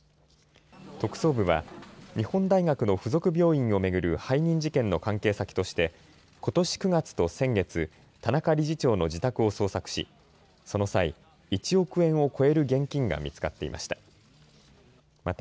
特捜部は日本大学の付属病院を巡る背任事件の関係先としてことし９月と先月、田中理事長の自宅を捜索しその際、１億円を超える現金が見つかっていました。